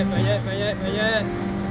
payet payet payet